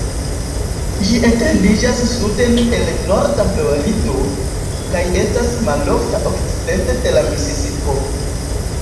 Ĝi etendiĝas suden al norda Florido, kaj estas malofta okcidente de la Misisipo.